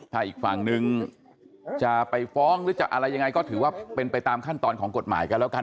ถ้าอีกฝั่งนึงจะไปฟ้องหรือจะอะไรยังไงก็ถือว่าเป็นไปตามขั้นตอนของกฎหมายกันแล้วกัน